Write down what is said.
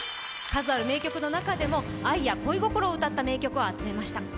数ある名曲の中でも、愛や恋心を歌った名曲を集めました。